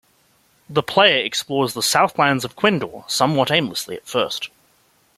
The player explores the Southlands of Quendor somewhat aimlessly at first.